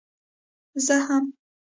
زه هم.